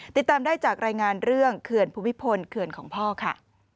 ติดตามได้จากรายงานเรื่องเขื่อนภูมิพลเขื่อนของพ่อค่ะ